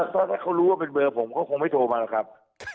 ถ้าเขารู้ว่าเป็นเบอร์ผมก็คงไม่โทรมาหรอกครับ